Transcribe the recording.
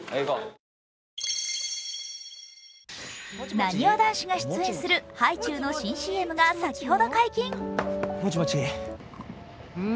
なにわ男子が出演するハイチュウの新ＣＭが先ほど解禁。